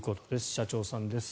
社長さんです。